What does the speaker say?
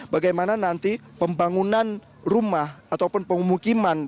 bagaimana nanti pembangunan rumah ataupun pemukiman